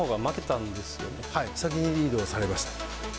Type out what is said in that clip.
先にリードされました。